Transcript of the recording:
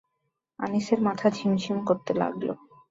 আনিসের মাথা ঝিমঝিম করতে লাগল।